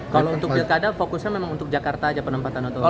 kalau untuk pilkada fokusnya memang untuk jakarta aja penempatan otomatis